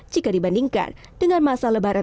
jika dibandingkan dengan masa lebaran